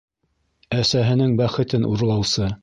Әсәһенең бәхетен урлаусы.